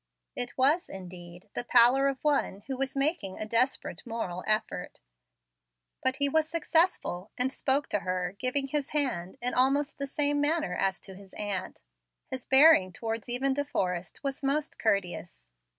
It was, indeed, the pallor of one who was making a desperate moral effort. But he was successful, and spoke to her, giving his hand, in almost the same manner as to his aunt. His bearing towards even De Forrest was most courteous.